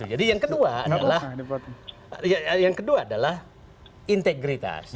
jadi yang kedua adalah integritas